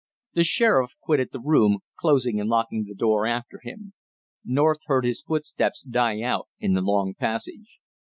The sheriff quitted the room, closing and locking the door after him. North heard his footsteps die out in the long passage.